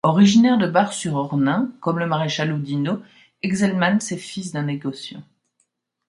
Originaire de Bar-sur-Ornain, comme le maréchal Oudinot, Exelmans est fils d'un négociant.